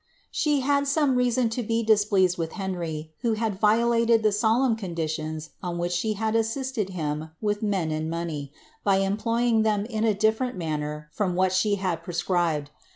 She had some reason to be displea.'^d with Henry, who had vioUted the solemn conditions on which she had assisted him with meti ixd money, by employing them in a dillerent manner from what she bid prescribed.